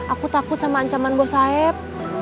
aku takut sama ancaman bos sayap